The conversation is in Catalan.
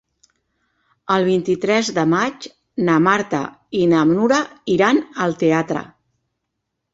El vint-i-tres de maig na Marta i na Nura iran al teatre.